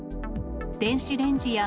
電子レンジや、